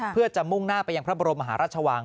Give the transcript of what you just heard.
เพื่อจะมุ่งหน้าไปยังพระบรมมหาราชวัง